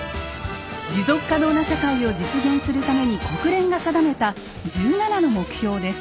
持続可能な社会を実現するために国連が定めた１７の目標です。